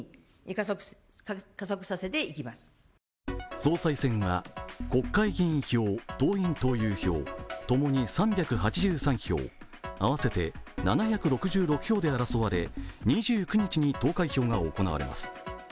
総裁選が国会議員票党員・党友票、共に３８３票合わせて７６６票で争われ２９日に投開票が行われます。